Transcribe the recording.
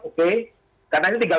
oke karena ini tinggal